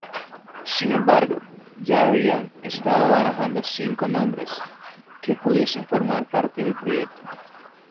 Sin embargo, ya habían estado barajando cinco nombres que pudiesen formar parte del proyecto.